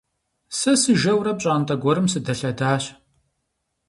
Сэ сыжэурэ пщӏантӏэ гуэрым сыдэлъэдащ.